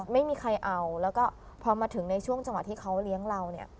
ไม่มีใครเอาแล้วก็พอมาถึงในช่วงจังหวะที่เขาเลี้ยงเราเนี่ย